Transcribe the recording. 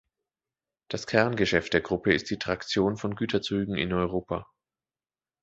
Das Kerngeschäft der Gruppe ist die Traktion von Güterzügen in Europa.